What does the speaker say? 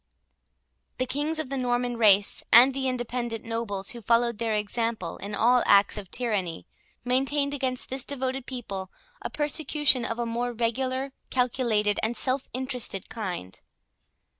The kings of the Norman race, and the independent nobles, who followed their example in all acts of tyranny, maintained against this devoted people a persecution of a more regular, calculated, and self interested kind.